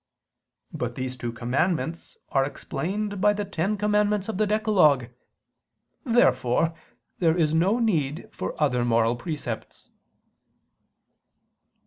But these two commandments are explained by the ten commandments of the decalogue. Therefore there is no need for other moral precepts.